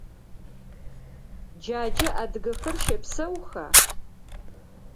Джаджэ адыгэхэр щэпсэуха?